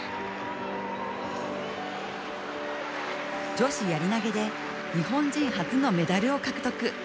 女子やり投げで日本人初のメダルを獲得。